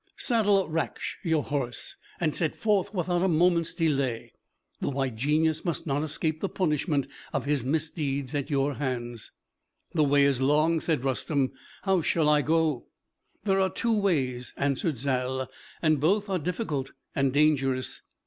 Saddle Raksh, your horse, and set forth without a moment's delay. The White Genius must not escape the punishment of his misdeeds at your hands." "The way is long," said Rustem; "how shall I go?" "There are two ways," answered Zal, "and both are difficult and dangerous.